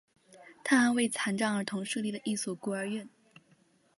他还为残障儿童设立了一所孤儿院。